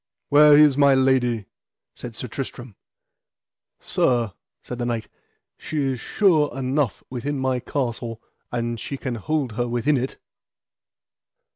Where is my lady? said Sir Tristram. Sir, said the knight, she is sure enough within my castle, an she can hold her within it.